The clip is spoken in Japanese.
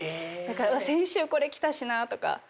先週これ着たしなとか。